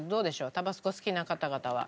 タバスコ好きな方々は。